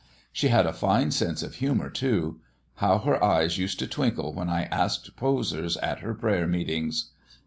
She had a fine sense of humour, too. How her eyes used to twinkle when I asked posers at her prayer meetings!"